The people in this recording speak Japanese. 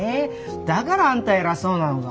だからあんた偉そうなのか。